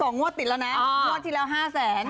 งวดติดแล้วนะงวดที่แล้ว๕แสน